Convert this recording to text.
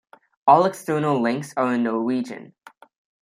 All external links are in Norwegian.